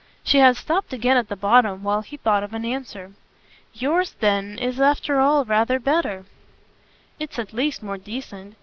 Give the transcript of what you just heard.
She had stopped again at the bottom while he thought of an answer. "Yours then is after all rather better." "It's at least more decent."